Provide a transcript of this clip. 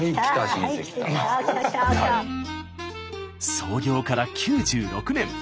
創業から９６年。